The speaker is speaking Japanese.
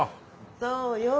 そうよ。